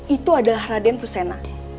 itu adalah raden fusena